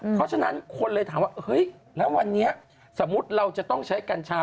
เพราะฉะนั้นคนเลยถามว่าเฮ้ยแล้ววันนี้สมมุติเราจะต้องใช้กัญชา